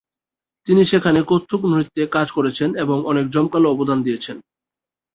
তিনি সেখানে কত্থক নৃত্যে কাজ করেছেন এবং অনেক জমকালো অবদান দিয়েছেন।